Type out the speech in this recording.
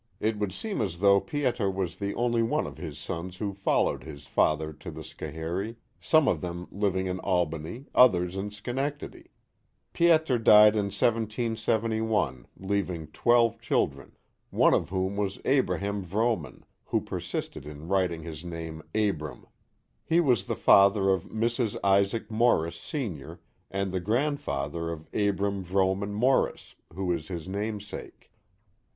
It would seem as though Pieter was the only one of his sons who followed his father to the Schoharie, some of them living in Albany, others in Schenectady. Pieter died in 1771, leav ing twelve children, one of whom was Abraham Vrooman, who persisted in writing his name Abram. He was the father of Mrs. Isaac Morris, Sr., and the grandfather of Abram Vrooman Morris, who is his namesake.